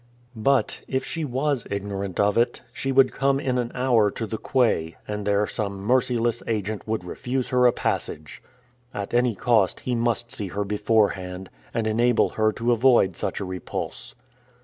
But, if she was ignorant of it, she would come in an hour to the quay, and there some merciless agent would refuse her a passage! At any cost, he must see her beforehand, and enable her to avoid such a repulse.